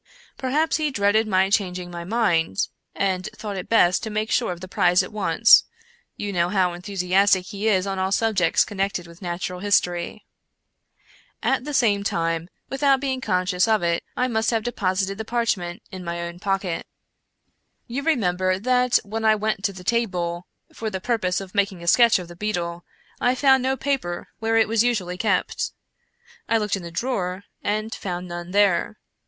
Perhaps he dreaded my changing my mind, and thought it best to make sure of the prize at once — you know how enthusiastic he is on all sub jects connected with Natural History. At the same time, without being conscious of it, I must have deposited the parchment in my own pocket. 149 American Mystery Stories " You remember that when I went to the table, for the purpose of making a sketch of the beetle, I found no paper where it was usually kept. I looked in the drawer, and found none there.